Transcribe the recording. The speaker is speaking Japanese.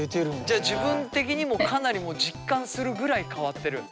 じゃあ自分的にもかなりもう実感するぐらい変わってる？